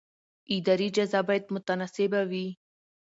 اداري جزا باید متناسبه وي.